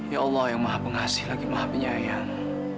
ya allah yang maha pengasih lagi maha penyayang